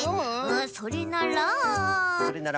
それなら。